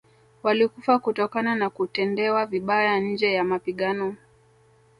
Walikufa kutokana na kutendewa vibaya nje ya mapigano